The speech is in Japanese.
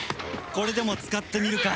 これでも使ってみるか。